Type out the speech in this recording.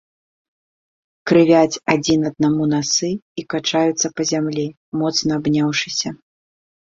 Крывавяць адзін аднаму насы і качаюцца па зямлі, моцна абняўшыся.